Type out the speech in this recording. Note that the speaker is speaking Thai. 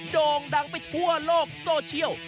โด่งดังไปทั่วโลกโซเชียล